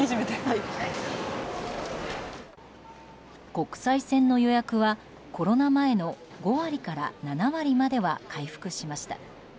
国際線の予約はコロナ前の５割から７割までは回復しました。